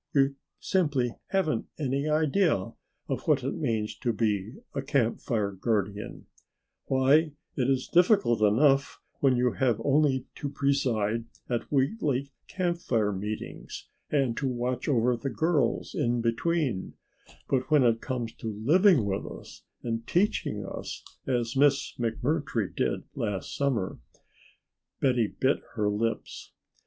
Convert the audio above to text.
You simply haven't any idea of what it means to be a Camp Fire guardian; why it is difficult enough when you have only to preside at weekly Camp Fire meetings and to watch over the girls in between, but when it comes to living with us and teaching us as Miss McMurtry did last summer " Betty bit her lips.